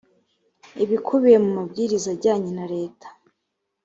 ibikubiye mu mabwiriza ajyanye na leta